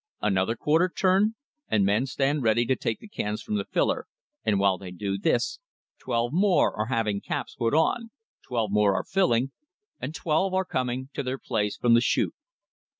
Another quarter turn, and men stand ready to take the cans from the filler, and while they do this, twelve more are having caps put on, twelve are filling, and twelve are coming to their place from the chute.